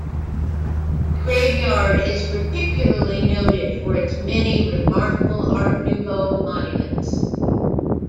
The graveyard is particularly noted for its many remarkable art nouveau monuments.